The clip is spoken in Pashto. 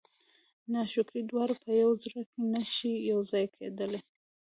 ناشکري دواړه په یوه زړه کې نه شي یو ځای کېدلی.